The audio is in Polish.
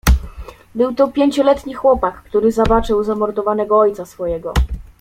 "Był to pięcioletni chłopak, który zobaczył zamordowanego ojca swojego..."